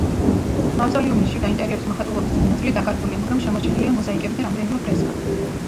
მავზოლეუმის შიდა ინტერიერის მოხატულობის დიდი ნაწილი დაკარგულია, მაგრამ შემორჩენილია მოზაიკები და რამდენიმე ფრესკა.